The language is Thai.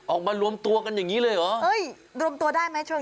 ออกมารวมตัวกันอย่างนี้เลยเหรอเอ้ยรวมตัวได้ไหมชน